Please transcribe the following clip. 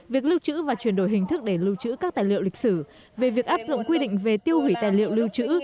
việc lưu chữ và chuyển đổi hình thức để lưu chữ các tài liệu lịch sử về việc áp dụng quy định về tiêu hủy tài liệu lưu chữ